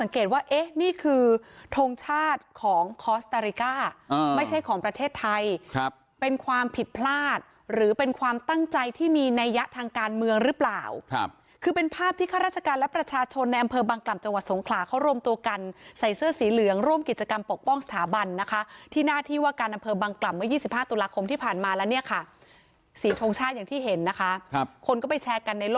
คือทงชาติของคอสเตอริกาไม่ใช่ของประเทศไทยครับเป็นความผิดพลาดหรือเป็นความตั้งใจที่มีในยะทางการเมืองหรือเปล่าครับคือเป็นภาพที่ข้าราชการและประชาชนในอำเภอบางกล่ำจังหวัดสงขลาเขารวมตัวกันใส่เสื้อสีเหลืองร่วมกิจกรรมปกป้องสถาบันนะคะที่หน้าที่ว่าการอำเภอบางกล่ำวัน๒๕ตุล